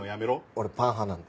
俺パン派なんで。